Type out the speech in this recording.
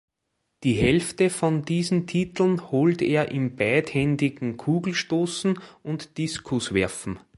Die Hälfte von diesen Titeln holte er im beidhändigen Kugelstoßen und Diskuswerfen.